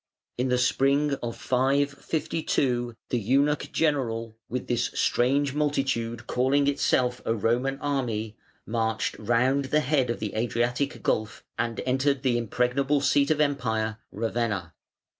In the spring of 552, the Eunuch general, with this strange multitude calling itself a Roman army, marched round the head of the Adriatic Gulf and entered the impregnable seat of Empire, Ravenna.